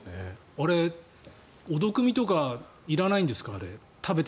あれ、お毒見とかいらないんですか？